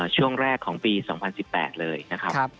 ช่วงแรกของปี๒๐๑๘เลยนะครับ